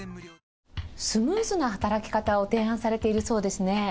スムーズな働き方を提案されているそうですね？